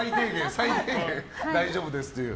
最低限大丈夫ですという。